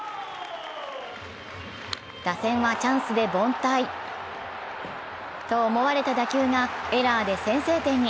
打線はチャンスで凡退と思われた打球がエラーで先制点に。